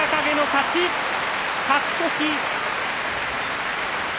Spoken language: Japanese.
勝ち越し。